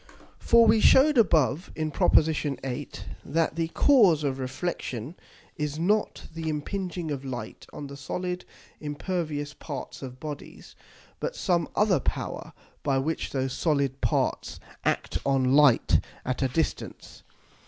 _ For we shewed above, in Prop. 8. that the cause of Reflexion is not the impinging of Light on the solid impervious parts of Bodies, but some other power by which those solid parts act on Light at a distance.